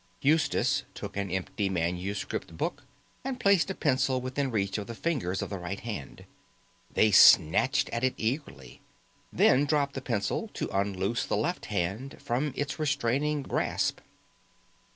Eustace took an empty manuscript book and placed a pencil within reach of the fingers of the right hand. They snatched at it eagerly; then dropped the pencil to unloose the left hand from its restraining grasp.